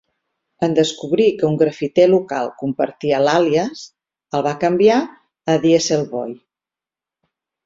En descobrir que un grafiter local compartia l'àlies, el va canviar a Dieselboy.